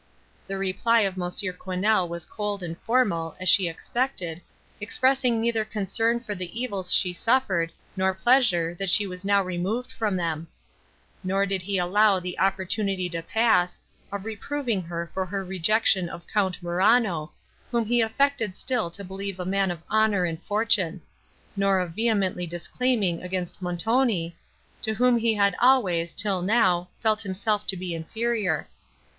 The reply of Mons. Quesnel was cold and formal, as she expected, expressing neither concern for the evils she suffered, nor pleasure, that she was now removed from them; nor did he allow the opportunity to pass, of reproving her for her rejection of Count Morano, whom he affected still to believe a man of honour and fortune; nor of vehemently declaiming against Montoni, to whom he had always, till now, felt himself to be inferior.